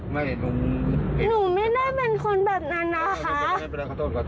ไม่รู้หนูไม่ได้เป็นคนแบบนั้นนะคะ